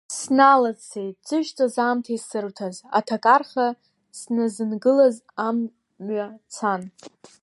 Сналаӡсеит ӡыжьҵас аамҭа исырҭаз, аҭакарха сназынгылаз амҩа цан.